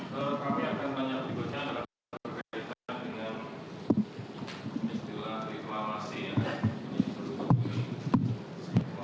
tapi akan banyak ribetnya ada yang berkaitan dengan istilah reklamasi yang ini berhubungan